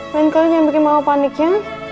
men kamu jangan bikin mama panik ya